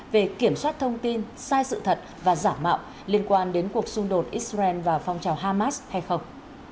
về kiểm soát thông tin sai sự thật và giả mạo liên quan đến cuộc xung đột israel và phong trào hamas hay không